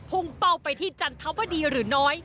พุ่งเป้าไปที่จันทร์เท้าวะดีหรือน้อย